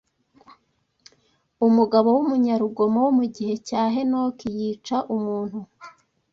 Umugabo w’umunyarugomo wo mu gihe cya Henoki yica umuntu